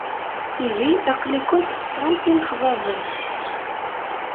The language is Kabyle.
Ihi, aql-ikent tesɛamt inexḍaben.